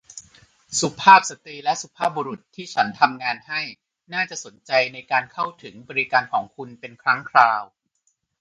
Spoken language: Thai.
สุภาพสตรีและสุภาพบุรุษที่ฉันทำงานให้ น่าจะสนใจในการเข้าถึงบริการของคุณเป็นครั้งคราว